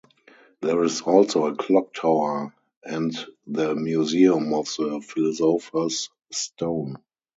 There is also a clock tower and the museum of the philosopher's stone.